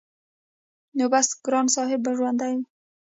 نو بس ګران صاحب به ژوندی وي-